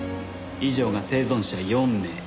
以上が生存者４名。